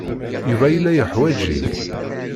Yuba yella yeḥwaj-ik.